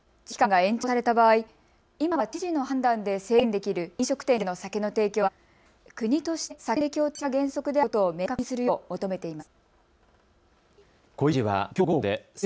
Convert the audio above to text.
重点措置の期間が延長された場合、今は知事の判断で制限できる飲食店での酒の提供は国として酒の提供停止が原則であることを明確にするよう求めています。